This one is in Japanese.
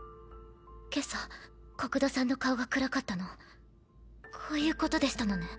今朝国土さんの顔が暗かったのこういうことでしたのね。